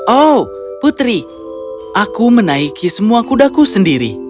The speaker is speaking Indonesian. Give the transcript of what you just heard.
oh putri aku menaiki semua kudaku sendiri